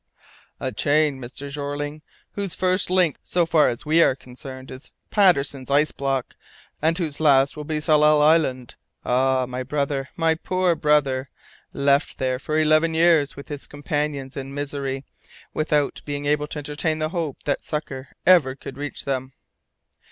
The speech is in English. "A chain, Mr. Jeorling, whose first link, so far as we are concerned, is Patterson's ice block, and whose last will be Tsalal Island. Ah! My brother! my poor brother! Left there for eleven years, with his companions in misery, without being able to entertain the hope that succour ever could reach them!